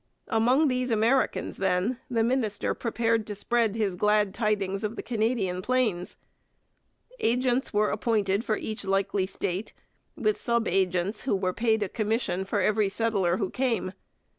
Among these Americans, then, the minister prepared to spread his glad tidings of the Canadian plains. Agents were appointed for each likely state, with sub agents who were paid a commission for every settler who came.